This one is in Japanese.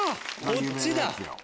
こっちだ。